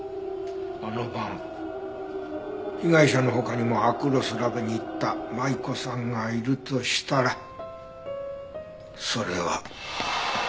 あの晩被害者の他にもアクロスラボに行った舞子さんがいるとしたらそれは。